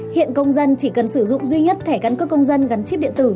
hiện công dân chỉ cần sử dụng duy nhất thẻ căn cước công dân gắn chip điện tử